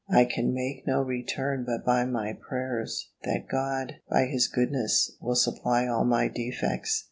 I can make no return but by my prayers, that God, by his goodness, will supply all my defects.